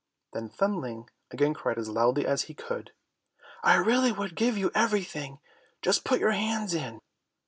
Then Thumbling again cried as loudly as he could, "I really will give you everything, just put your hands in."